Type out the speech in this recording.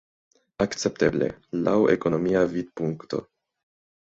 Akcepteble, laŭ ekonomia vidpunkto.